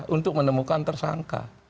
untuk menemukan tersangka